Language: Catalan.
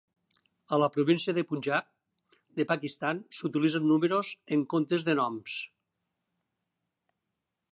A la província de Punjab de Pakistan, s'utilitzen números en comptes de noms.